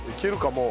もう。